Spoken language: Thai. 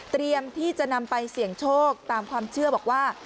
ที่จะนำไปเสี่ยงโชคตามความเชื่อบอกว่า